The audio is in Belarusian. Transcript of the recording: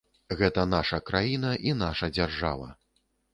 Гэта наша краіна і наша дзяржава.